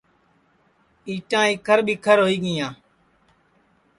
اِنٹا اِکھر ٻیکھر ہوئی گیاں